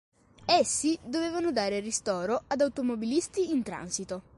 Essi dovevano dare ristoro ad automobilisti in transito.